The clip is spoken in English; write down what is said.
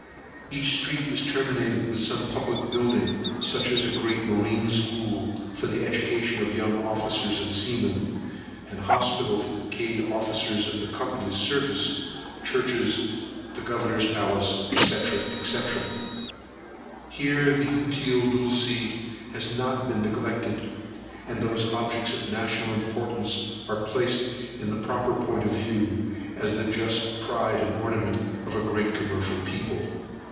Each street is terminated with some public building, such as a great marine school, for the education of young officers and seamen; an hospital for decayed officers in the Company's service; churches; the Governor's palace, &c. &c. Here the utile dulce has not been neglected, and those objects of national importance are placed in a proper point of view, as the just pride and ornament of a great commercial people.